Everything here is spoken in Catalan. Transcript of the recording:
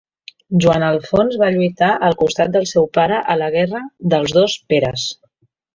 Joan Alfons va lluitar al costat del seu pare a la Guerra dels dos Peres.